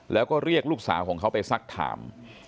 แล้วก็เรียกลูกสาวของเขาไปสักถาม